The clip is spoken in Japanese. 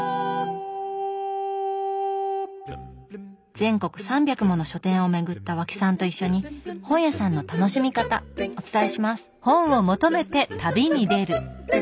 全国３００もの書店を巡った和氣さんと一緒に本屋さんの楽しみ方お伝えします！